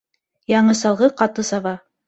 Яңы салғы ҡаты саба.